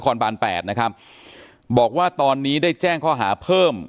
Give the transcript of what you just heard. เขามีลูกมีเมียไหม